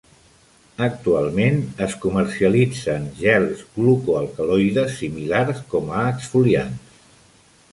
Actualment es comercialitzen gels glucoalcaloides similars com a exfoliants.